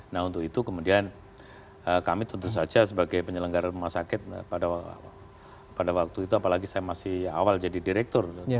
nah untuk itu kemudian kami tentu saja sebagai penyelenggara rumah sakit pada waktu itu apalagi saya masih awal jadi direktur